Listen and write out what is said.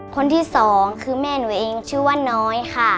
คนที่สองคือแม่หนูเองชื่อว่าน้อยค่ะ